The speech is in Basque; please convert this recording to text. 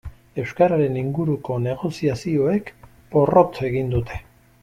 Euskararen inguruko negoziazioek porrot egin dute.